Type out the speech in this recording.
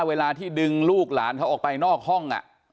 เวลาที่ดึงลูกหลานเขาออกไปนอกห้อง